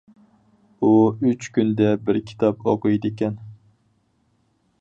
ئۇ ئۈچ كۈندە بىر كىتاب ئوقۇيدىكەن.